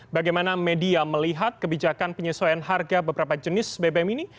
bagaimana media melihat kebijakan penyesuaian harga beberapa jenis bbm ini